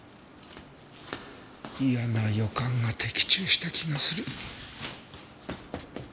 嫌な予感が的中した気がする。